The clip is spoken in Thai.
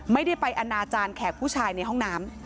ไม่ได้ไปอนาจารย์แขกผู้ชายในห้องน้ำ